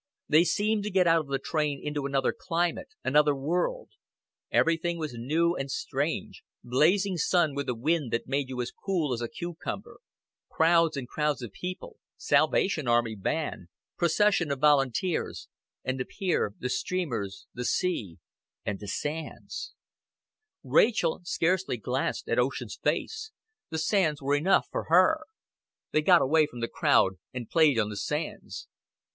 They seemed to get out of the train into another climate, another world. Everything was new and strange blazing sun with a wind that made you as cool as a cucumber; crowds and crowds of people, Salvation Army band, procession of volunteers; and the pier, the streamers, the sea and the sands. Rachel scarcely glanced at Ocean's face: the sands were enough for her. They got away from the crowd, and played on the sands.